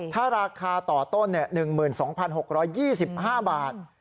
ถ้าราคาต่อต้น๑๒๖๒๕บาท